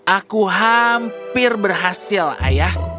aku hampir berhasil ayah